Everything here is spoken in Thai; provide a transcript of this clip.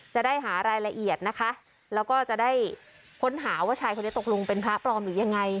จะได้หารายละเอียดนะคะแล้วก็จะได้ค้นหาว่าชายคนนี้ตกลงเป็นพระปลอมหรือยังไง